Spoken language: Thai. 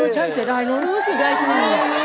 ใช่เสียดอยลุ้ม